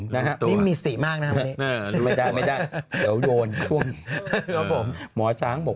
นี่มีสีมากนะครับ